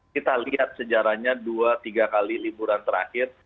kita lihat sejarahnya dua tiga kali liburan terakhir